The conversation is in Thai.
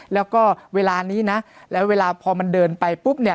แล้วก็เวลานี้นะแล้วเวลาพอมันเดินไปปุ๊บเนี่ย